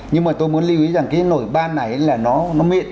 nhưng mà tôi muốn lưu ý rằng cái nổi ban này là nó mệt